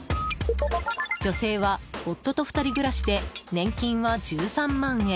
女性は夫と２人暮らしで年金は１３万円。